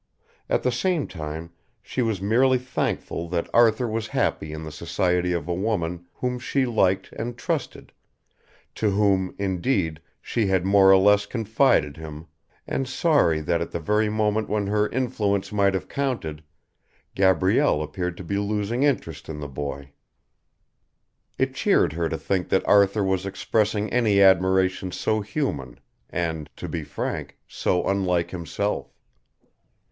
At the time she was merely thankful that Arthur was happy in the society of a woman whom she liked and trusted to whom, indeed, she had more or less confided him and sorry that at the very moment when her influence might have counted, Gabrielle appeared to be losing interest in the boy. It cheered her to think that Arthur was expressing any admiration so human and, to be frank, so unlike himself.